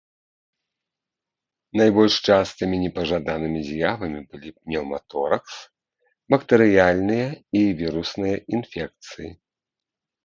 Найбольш частымі непажаданымі з'явамі былі пнеўматоракс, бактэрыяльныя і вірусныя інфекцыі.